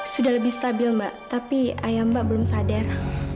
sudah lebih stabil mbak tapi ayah mbak belum sadar